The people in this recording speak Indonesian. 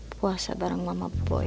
puasa bareng mama boy